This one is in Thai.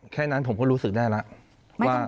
แค่นั้นผมก็รู้สึกได้แล้วว่า